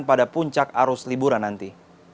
pada puncak arus liburan nanti